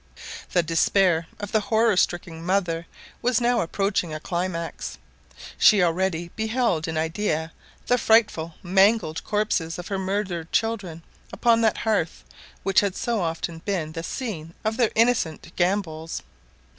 The despair of the horror stricken mother was now approaching a climax. She already beheld in idea the frightful mangled corpses of her murdered children upon that hearth which had so often been the scene of their innocent gambols.